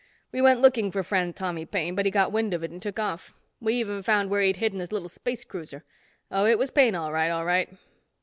We went looking for friend Tommy Paine, but he got wind of it and took off. We even found where he'd hidden his little space cruiser. Oh, it was Paine, all right, all right."